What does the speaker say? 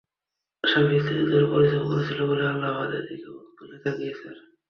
স্বামী স্ত্রী দুজনে পরিশ্রম করেছি বলে আল্লাহ আমাদের দিকে মুখ তুলে তাকিয়েছেন।